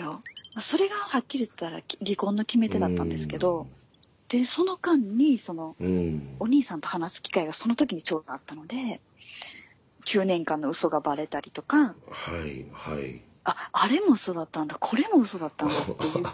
まあそれがはっきり言ったら離婚の決め手だったんですけどでその間にそのお兄さんと話す機会がその時にちょうどあったので９年間のウソがバレたりとかあっあれもウソだったんだこれもウソだったんだっていうことが。